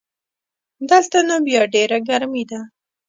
دلته نو بیا ډېره ګرمي ده